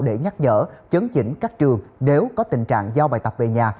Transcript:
để nhắc nhở chấn chỉnh các trường nếu có tình trạng giao bài tập về nhà